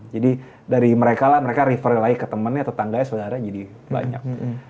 jadi dari mereka lah mereka refer lagi ke temennya tetangganya saudaranya jadi banyak